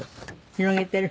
広げてる？